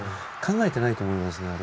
考えてないと思いますね。